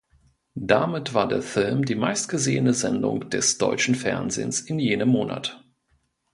Damit war der Film die meistgesehene Sendung des deutschen Fernsehens in jenem Monat.